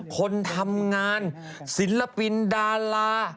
คนทำงานศิลปินดารา